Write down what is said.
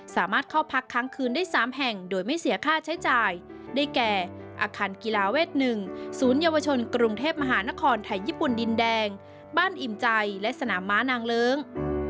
สามารถเข้าพักค้างคืนได้๓แห่งโดยไม่เสียค่าใช้จ่ายได้แก่อาคารกีฬาเวท๑ศูนยวชนกรุงเทพมหานครไทยญี่ปุ่นดินแดงบ้านอิ่มใจและสนามม้านางเลิ้ง